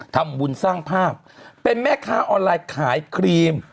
ทำบุญสร้างภาพเป็นแม่ค้าออนไลน์ขายครีม